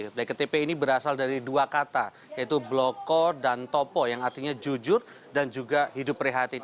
bleket tepe ini berasal dari dua kata yaitu blokor dan topo yang artinya jujur dan juga hidup rehatin